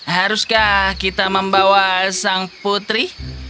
haruskah kita membawa sang putri